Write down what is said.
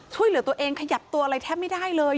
ช่วยเหลือตัวเองขยับตัวอะไรแทบไม่ได้เลย